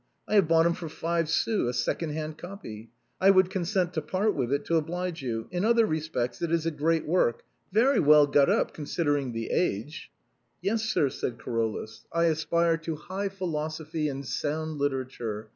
I have bought him for five sous — a second hand copy — I would consent to part with it to oblige you. In other re spects, it is a groat work ; very well got up, considering the age." "Yes, sir," said Carolus; "I aspire to high philosophy and sound literature.